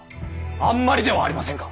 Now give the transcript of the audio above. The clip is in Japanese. あんまりではありませんか！